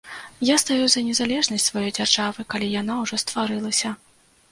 Я стаю за незалежнасць сваёй дзяржавы, калі яна ўжо стварылася.